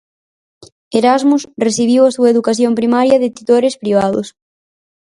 Erasmus recibiu a súa educación primaria de titores privados.